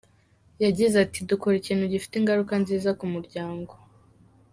Yagize ati “Dukora ikintu gifite ingaruka nziza ku muryango.